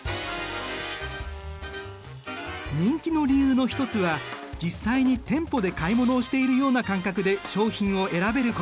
人気の理由の一つは実際に店舗で買い物をしているような感覚で商品を選べること。